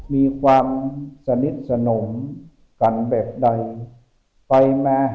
มีความสนิทสนมกันแบบใดไปมา